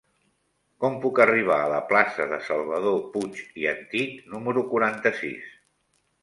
Com puc arribar a la plaça de Salvador Puig i Antich número quaranta-sis?